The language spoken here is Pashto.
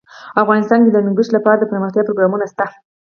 افغانستان کې د هندوکش لپاره دپرمختیا پروګرامونه شته.